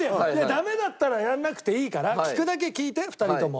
ダメだったらやらなくていいから聞くだけ聞いて２人とも。